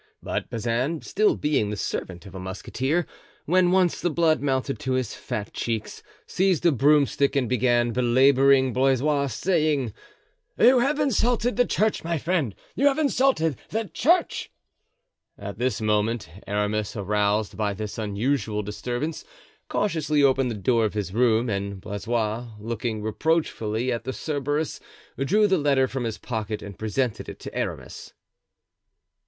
But Bazin, still the servant of a musketeer, when once the blood mounted to his fat cheeks, seized a broomstick and began belaboring Blaisois, saying: "You have insulted the church, my friend, you have insulted the church!" At this moment Aramis, aroused by this unusual disturbance, cautiously opened the door of his room; and Blaisois, looking reproachfully at the Cerberus, drew the letter from his pocket and presented it to Aramis.